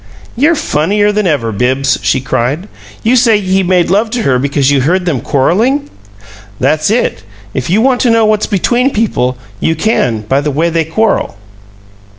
"You're funnier than ever, Bibbs!" she cried. "You say he made love to her because you heard them quarreling!" "That's it. If you want to know what's 'between' people, you can by the way they quarrel."